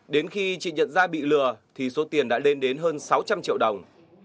đến khi chị nhận ra bị lừa thì số tiền đã lên đến hơn sáu trăm linh triệu đồng